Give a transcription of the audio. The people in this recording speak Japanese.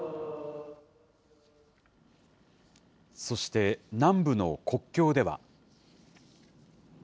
そして南部の国境では。